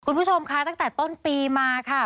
คุณผู้ชมคะตั้งแต่ต้นปีมาค่ะ